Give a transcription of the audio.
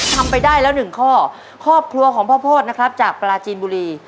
ทำไปได้แล้วหนึ่งข้อครอบครัวของพ่อโพธินะครับจากปลาจีนบุรี